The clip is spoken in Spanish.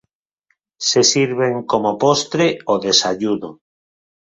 Se sirven como postre o desayuno.